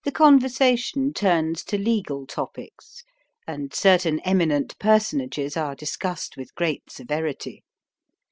The conversation turns to legal topics, and certain eminent personages are discussed with great severity.